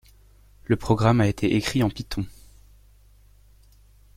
Le programme a été écrit en python.